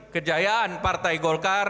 kejayaan partai golkar